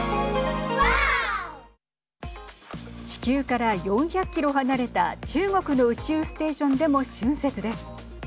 地球から４００キロ離れた中国の宇宙ステーションでも春節です。